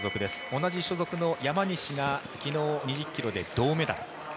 同じ所属の山西が昨日、２０ｋｍで銅メダル。